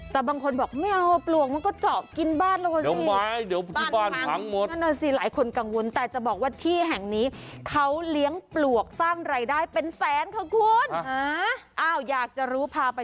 แต่บางคนบอกอ่ะไม่เอาเปลี่ยนปลวกมันก็เจากินบ้านแล้ว